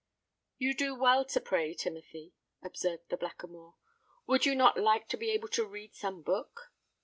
"You do well to pray, Timothy," observed the Blackamoor. "Would you not like to be able to read some book?"